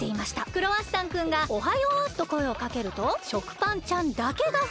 クロワッサンくんが「おはよう」とこえをかけると食パンちゃんだけがふりむきました。